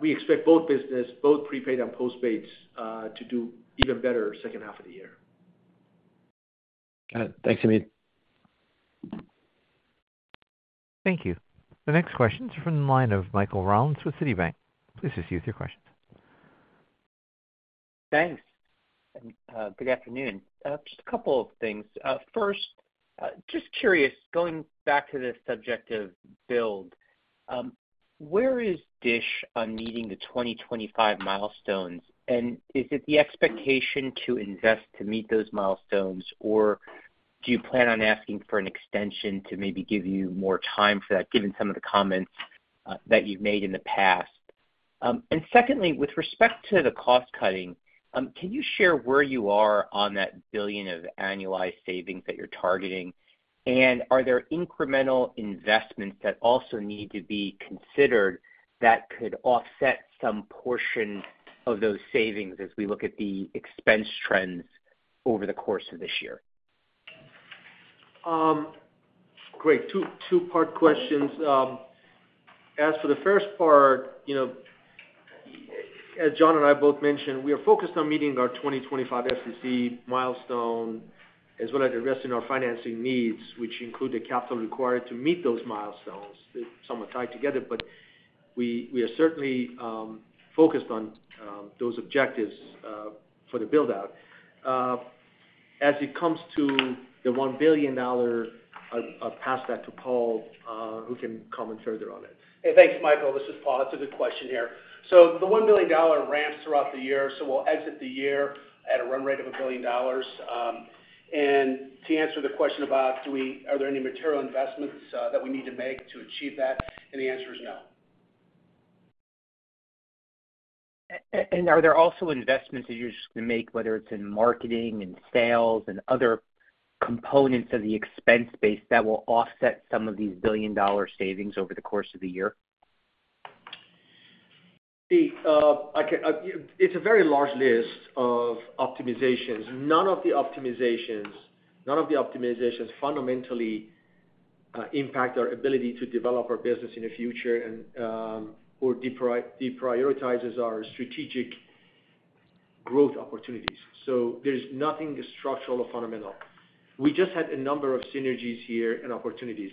We expect both business, both prepaid and postpaids, to do even better second half of the year. Got it. Thanks, Hamid. Thank you. The next question is from the line of Michael Rollins with Citibank. Please proceed with your questions. Thanks. And good afternoon. Just a couple of things. First, just curious, going back to this subject of build, where is DISH on meeting the 2025 milestones? And is it the expectation to invest to meet those milestones, or do you plan on asking for an extension to maybe give you more time for that, given some of the comments that you've made in the past? And secondly, with respect to the cost-cutting, can you share where you are on that $1 billion of annualized savings that you're targeting? And are there incremental investments that also need to be considered that could offset some portion of those savings as we look at the expense trends over the course of this year? Great. Two-part questions. As for the first part, as John and I both mentioned, we are focused on meeting our 2025 FCC milestone as well as addressing our financing needs, which include the capital required to meet those milestones. They're somewhat tied together, but we are certainly focused on those objectives for the build-out. As it comes to the $1 billion, I'll pass that to Paul, who can comment further on it. Hey, thanks, Michael. This is Paul. It's a good question here. So the $1 billion ramps throughout the year. So we'll exit the year at a run rate of $1 billion. And to answer the question about, are there any material investments that we need to make to achieve that, and the answer is no. Are there also investments that you're just going to make, whether it's in marketing and sales and other components of the expense base that will offset some of these billion-dollar savings over the course of the year? See, it's a very large list of optimizations. None of the optimizations fundamentally impact our ability to develop our business in the future or deprioritizes our strategic growth opportunities. So there's nothing structural or fundamental. We just had a number of synergies here and opportunities.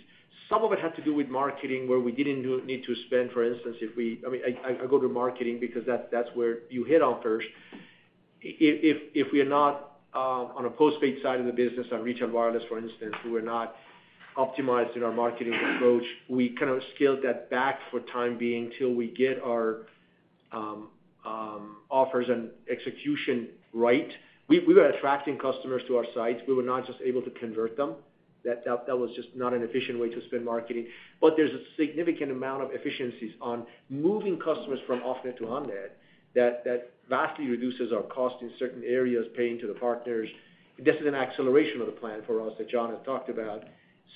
Some of it had to do with marketing, where we didn't need to spend, for instance, if we I mean, I go to marketing because that's where you hit on first. If we are not on a postpaid side of the business, on retail wireless, for instance, we were not optimized in our marketing approach. We kind of scaled that back for the time being till we get our offers and execution right. We were attracting customers to our sites. We were not just able to convert them. That was just not an efficient way to spend marketing. But there's a significant amount of efficiencies on moving customers from off-net to on-net that vastly reduces our cost in certain areas, paying to the partners. This is an acceleration of the plan for us that John has talked about.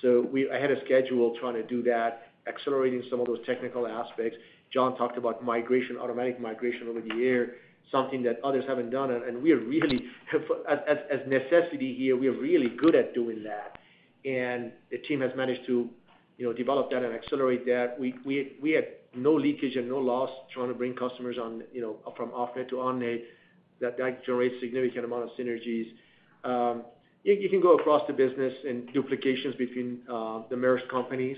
So I had a schedule trying to do that, accelerating some of those technical aspects. John talked about automatic migration over the year, something that others haven't done. And we are really as necessity here, we are really good at doing that. And the team has managed to develop that and accelerate that. We had no leakage and no loss trying to bring customers from off-net to on-net. That generates a significant amount of synergies. You can go across the business and duplications between the merged companies.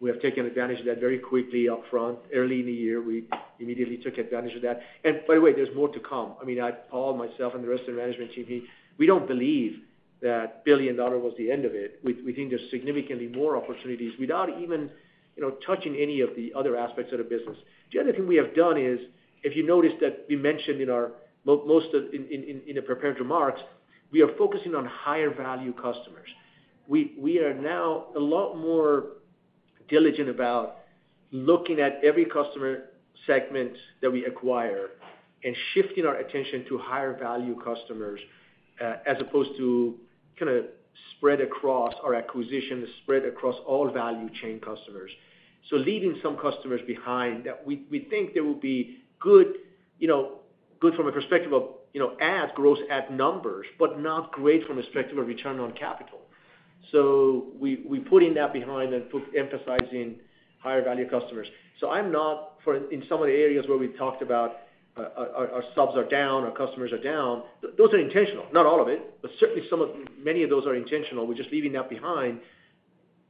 We have taken advantage of that very quickly upfront. Early in the year, we immediately took advantage of that. By the way, there's more to come. I mean, Paul, myself, and the rest of the management team, we don't believe that $1 billion was the end of it. We think there's significantly more opportunities without even touching any of the other aspects of the business. The other thing we have done is, if you noticed that we mentioned in most of the prepared remarks, we are focusing on higher-value customers. We are now a lot more diligent about looking at every customer segment that we acquire and shifting our attention to higher-value customers as opposed to kind of spread across our acquisition, spread across all value chain customers. So leaving some customers behind that we think there will be good from a perspective of ads, growth, add numbers, but not great from a perspective of return on capital. So we put in that behind and emphasizing higher-value customers. So I'm not in some of the areas where we talked about our subs are down, our customers are down. Those are intentional. Not all of it, but certainly many of those are intentional. We're just leaving that behind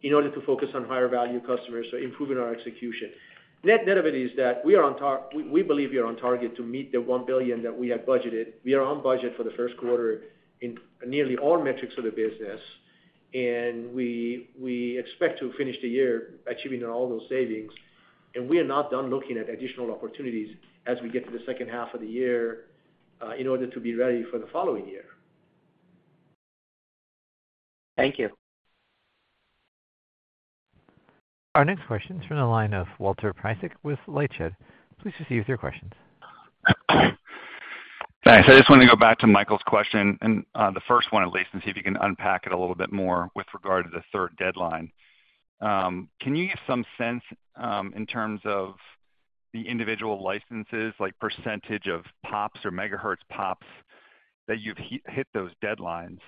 in order to focus on higher-value customers or improving our execution. Net of it is that we believe we are on target to meet the $1 billion that we had budgeted. We are on budget for the first quarter in nearly all metrics of the business. And we expect to finish the year achieving all those savings. And we are not done looking at additional opportunities as we get to the second half of the year in order to be ready for the following year. Thank you. Our next question is from the line of Walter Piecyk with LightShed. Please proceed with your questions. Thanks. I just wanted to go back to Michael's question and the first one at least and see if you can unpack it a little bit more with regard to the third deadline. Can you give some sense in terms of the individual licenses, like percentage of pops or megahertz pops that you've hit those deadlines?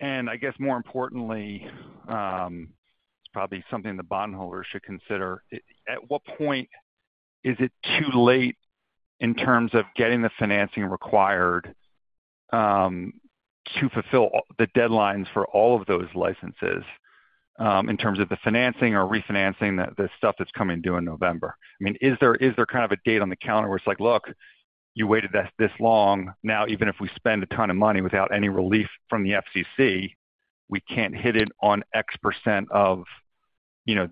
And I guess, more importantly, it's probably something the bondholders should consider. At what point is it too late in terms of getting the financing required to fulfill the deadlines for all of those licenses in terms of the financing or refinancing the stuff that's coming due in November? I mean, is there kind of a date on the calendar where it's like, "Look, you waited this long. Now, even if we spend a ton of money without any relief from the FCC, we can't hit it on X% of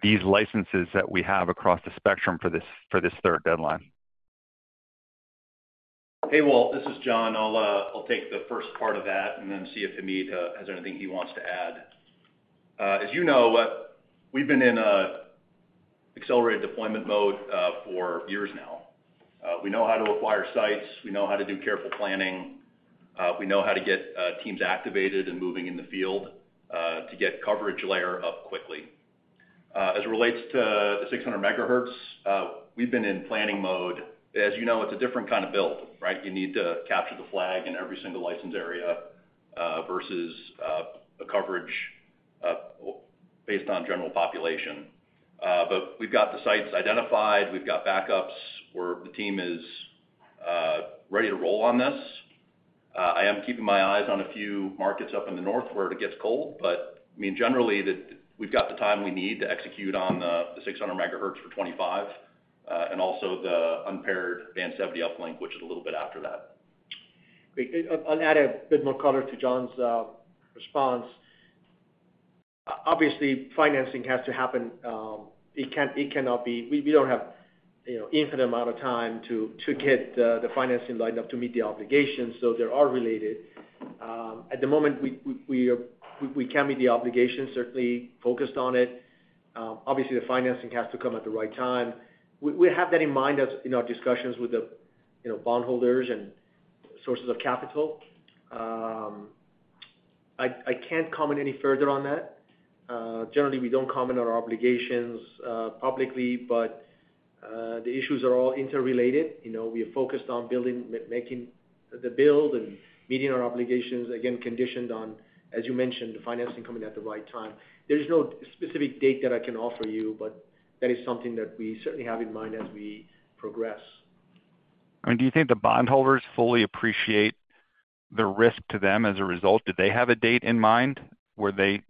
these licenses that we have across the spectrum for this third deadline? Hey, Walter. This is John. I'll take the first part of that and then see if Hamid has anything he wants to add. As you know, we've been in accelerated deployment mode for years now. We know how to acquire sites. We know how to do careful planning. We know how to get teams activated and moving in the field to get coverage layer up quickly. As it relates to the 600 megahertz, we've been in planning mode. As you know, it's a different kind of build, right? You need to capture the flag in every single license area versus a coverage based on general population. But we've got the sites identified. We've got backups where the team is ready to roll on this. I am keeping my eyes on a few markets up in the north where it gets cold. But I mean, generally, we've got the time we need to execute on the 600 megahertz for 25 and also the unpaired Band 70 uplink, which is a little bit after that. Great. I'll add a bit more color to John's response. Obviously, financing has to happen. It cannot be we don't have an infinite amount of time to get the financing lined up to meet the obligations. So they are related. At the moment, we can meet the obligations, certainly focused on it. Obviously, the financing has to come at the right time. We have that in mind in our discussions with the bondholders and sources of capital. I can't comment any further on that. Generally, we don't comment on our obligations publicly, but the issues are all interrelated. We are focused on making the build and meeting our obligations, again, conditioned on, as you mentioned, the financing coming at the right time. There is no specific date that I can offer you, but that is something that we certainly have in mind as we progress. I mean, do you think the bondholders fully appreciate the risk to them as a result? Do they have a date in mind where they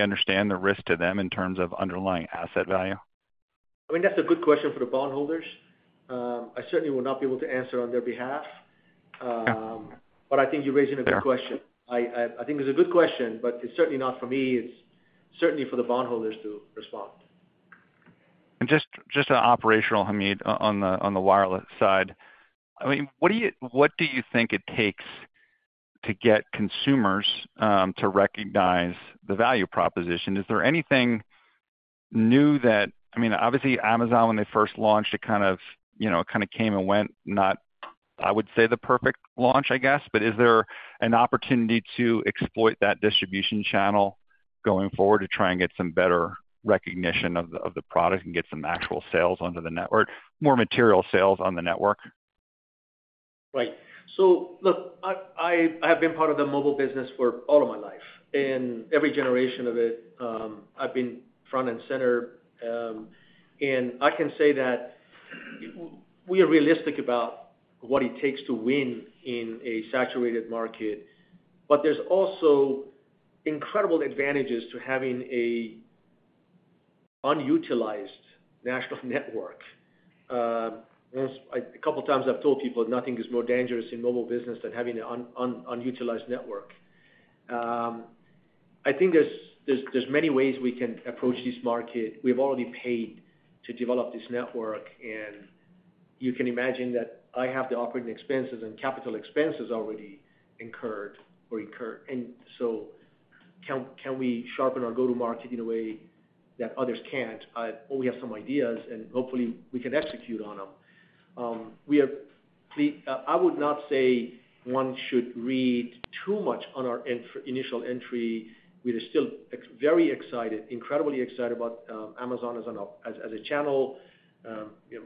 understand the risk to them in terms of underlying asset value? I mean, that's a good question for the bondholders. I certainly will not be able to answer on their behalf. But I think you're raising a good question. I think it's a good question, but it's certainly not for me. It's certainly for the bondholders to respond. Just an operational, Hamid, on the wireless side, I mean, what do you think it takes to get consumers to recognize the value proposition? Is there anything new that I mean, obviously, Amazon, when they first launched, it kind of came and went, not, I would say, the perfect launch, I guess. But is there an opportunity to exploit that distribution channel going forward to try and get some better recognition of the product and get some actual sales onto the network, more material sales on the network? Right. So look, I have been part of the mobile business for all of my life. In every generation of it, I've been front and center. And I can say that we are realistic about what it takes to win in a saturated market. But there's also incredible advantages to having an unutilized national network. A couple of times, I've told people nothing is more dangerous in mobile business than having an unutilized network. I think there's many ways we can approach this market. We have already paid to develop this network. And you can imagine that I have the operating expenses and capital expenses already incurred or incurred. And so can we sharpen our go-to-market in a way that others can't? We have some ideas, and hopefully, we can execute on them. I would not say one should read too much on our initial entry. We are still very excited, incredibly excited about Amazon as a channel,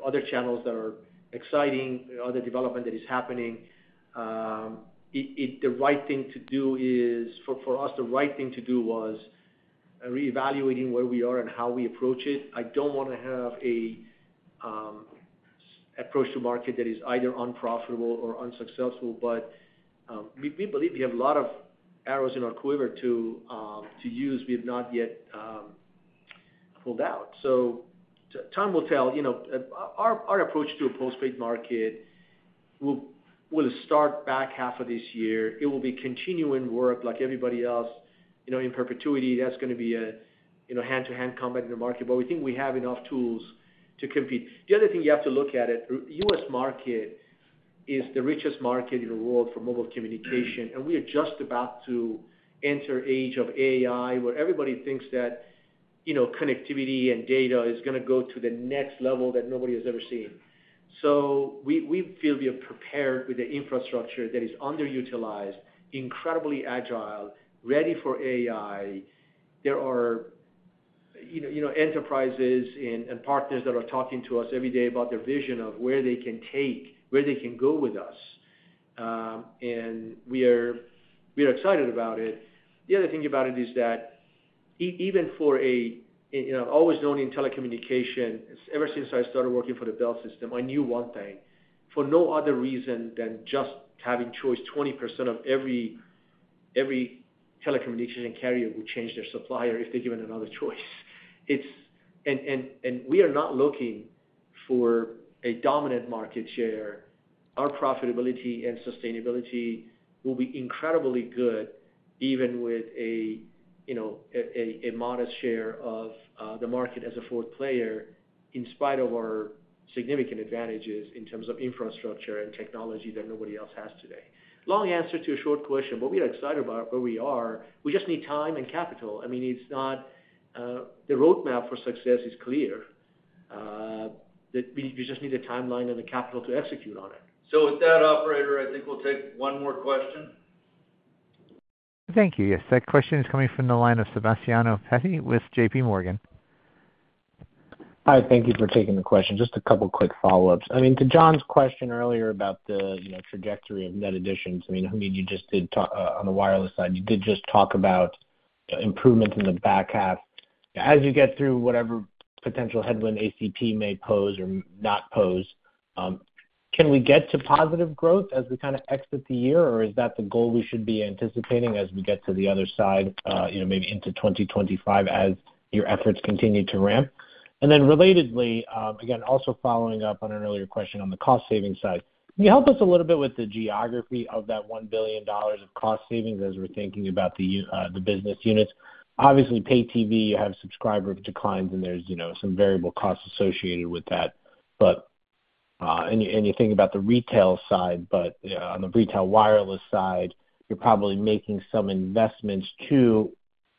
other channels that are exciting, other development that is happening. The right thing to do is for us, the right thing to do was reevaluating where we are and how we approach it. I don't want to have an approach to market that is either unprofitable or unsuccessful. But we believe we have a lot of arrows in our quiver to use. We have not yet pulled out. So time will tell. Our approach to a postpaid market will start back half of this year. It will be continuing work like everybody else in perpetuity. That's going to be a hand-to-hand combat in the market. But we think we have enough tools to compete. The other thing you have to look at. The U.S. market is the richest market in the world for mobile communication. We are just about to enter the age of AI, where everybody thinks that connectivity and data is going to go to the next level that nobody has ever seen. We feel we are prepared with the infrastructure that is underutilized, incredibly agile, ready for AI. There are enterprises and partners that are talking to us every day about their vision of where they can take, where they can go with us. We are excited about it. The other thing about it is that even for a I've always known in telecommunication. Ever since I started working for the Bell System, I knew one thing. For no other reason than just having choice, 20% of every telecommunication carrier would change their supplier if they're given another choice. We are not looking for a dominant market share. Our profitability and sustainability will be incredibly good even with a modest share of the market as a fourth player in spite of our significant advantages in terms of infrastructure and technology that nobody else has today. Long answer to a short question. What we are excited about, where we are, we just need time and capital. I mean, the roadmap for success is clear. You just need a timeline and the capital to execute on it. With that, operator, I think we'll take one more question. Thank you. Yes. That question is coming from the line of Sebastiano Petti with J.P. Morgan. Hi. Thank you for taking the question. Just a couple of quick follow-ups. I mean, to John's question earlier about the trajectory of net additions, I mean, Hamid, you just did on the wireless side, you did just talk about improvements in the back half. As you get through whatever potential headwind ACP may pose or not pose, can we get to positive growth as we kind of exit the year, or is that the goal we should be anticipating as we get to the other side, maybe into 2025 as your efforts continue to ramp? And then relatedly, again, also following up on an earlier question on the cost-saving side, can you help us a little bit with the geography of that $1 billion of cost savings as we're thinking about the business units? Obviously, pay TV, you have subscriber declines, and there's some variable costs associated with that. You think about the retail side, but on the retail wireless side, you're probably making some investments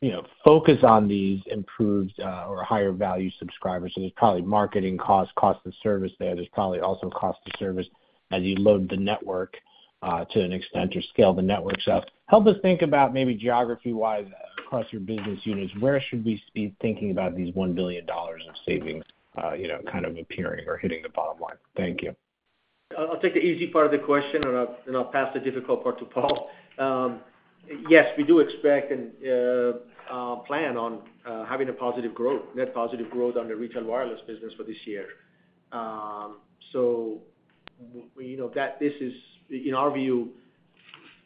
to focus on these improved or higher-value subscribers. So there's probably marketing costs, cost of service there. There's probably also cost of service as you load the network to an extent or scale the network up. Help us think about maybe geography-wise across your business units. Where should we be thinking about these $1 billion of savings kind of appearing or hitting the bottom line? Thank you. I'll take the easy part of the question, and I'll pass the difficult part to Paul. Yes, we do expect and plan on having a positive growth, net positive growth on the retail wireless business for this year. So this is, in our view,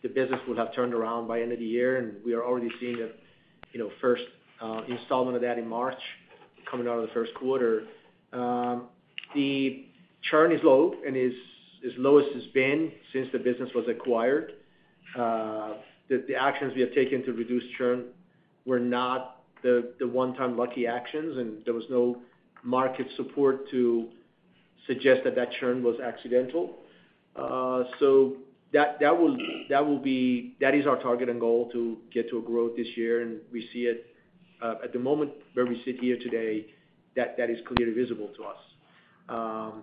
the business will have turned around by end of the year. And we are already seeing the first installment of that in March coming out of the first quarter. The churn is low, and it's lowest it's been since the business was acquired. The actions we have taken to reduce churn were not the one-time lucky actions. And there was no market support to suggest that that churn was accidental. So that will be that is our target and goal to get to a growth this year. And we see it at the moment where we sit here today, that is clearly visible to us.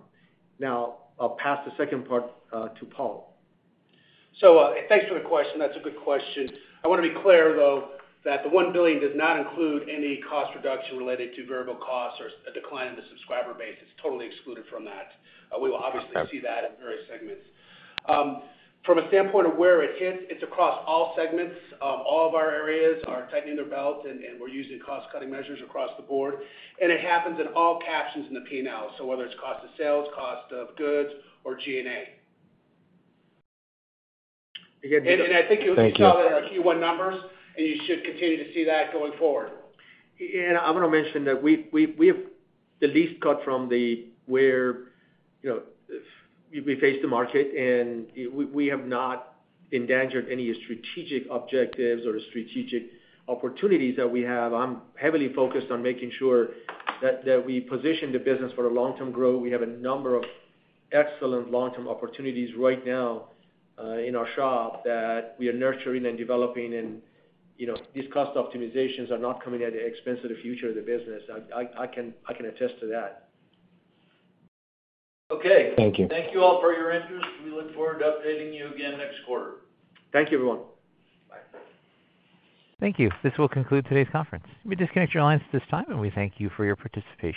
Now, I'll pass the second part to Paul. So thanks for the question. That's a good question. I want to be clear, though, that the $1 billion does not include any cost reduction related to variable costs or a decline in the subscriber base. It's totally excluded from that. We will obviously see that in various segments. From a standpoint of where it hits, it's across all segments. All of our areas are tightening their belt, and we're using cost-cutting measures across the board. And it happens in all captions in the P&L. So whether it's cost of sales, cost of goods, or G&A. Again, thank you. I think you'll see all that are Q1 numbers, and you should continue to see that going forward. I want to mention that we have the least cut from the where we face the market, and we have not endangered any strategic objectives or strategic opportunities that we have. I'm heavily focused on making sure that we position the business for the long-term growth. We have a number of excellent long-term opportunities right now in our shop that we are nurturing and developing. And these cost optimizations are not coming at the expense of the future of the business. I can attest to that. Okay. Thank you. Thank you all for your interest. We look forward to updating you again next quarter. Thank you, everyone. Bye. Thank you. This will conclude today's conference. You may disconnect your lines at this time, and we thank you for your participation.